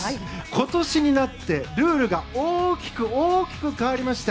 今年になってルールが大きく大きく変わりました。